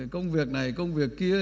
công việc này công việc kia